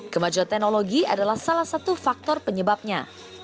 kemajuan teknologi adalah salah satu faktor penyebabnya